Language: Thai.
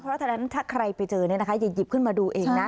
เพราะฉะนั้นถ้าใครไปเจอเนี่ยนะคะอย่าหยิบขึ้นมาดูเองนะ